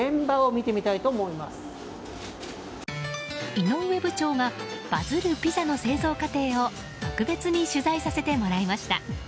井上部長がバズるピザの製造過程を特別に取材させていただきました。